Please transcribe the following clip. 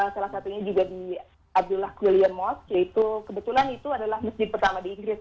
salah satunya juga di abdullah julian mosque kebetulan itu adalah masjid pertama di inggris